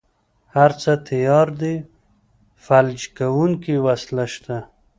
هره څه تيار دي فلجوونکې وسله شته.